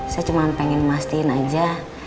saya cuma pengen masin aja